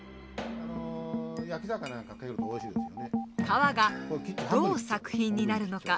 皮がどう作品になるのか？